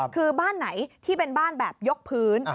คือบ้านไหนที่เป็นบ้านแบบยกพื้น